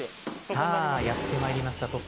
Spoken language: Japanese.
さあやってまいりました。